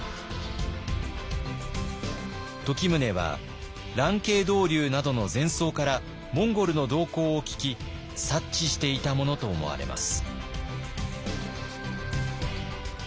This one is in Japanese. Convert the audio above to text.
時宗は蘭渓道隆などの禅僧からモンゴルの動向を聞き察知していたものと思われます。